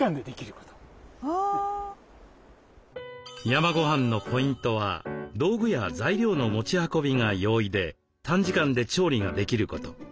山ごはんのポイントは道具や材料の持ち運びが容易で短時間で調理ができること。